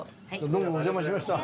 どうもお邪魔しました。